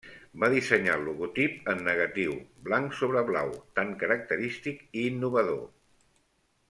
Va dissenyar el logotip en negatiu, blanc sobre blau, tan característic i innovador.